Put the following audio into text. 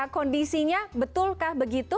kondisinya betulkah begitu